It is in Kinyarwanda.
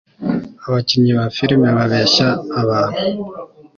abakinnyi ba filime babeshya abantu